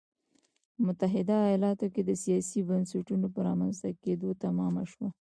متحده ایالتونو کې د سیاسي بنسټونو په رامنځته کېدو تمامه شوه.